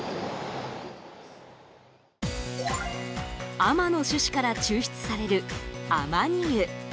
亜麻の種子から抽出される亜麻仁油。